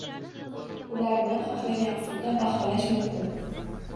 Ularni xohlagan usulda baholash mumkin